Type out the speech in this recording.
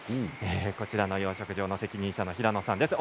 こちらの養殖場の責任者の平野さんです。